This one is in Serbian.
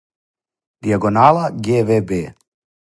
дијагонала ге ве бе